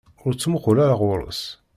Ur ttmuqul ara ɣur-s!